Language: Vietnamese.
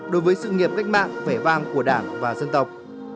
đối với sự nghiệp cách mạng vẻ vang của đảng và dân tộc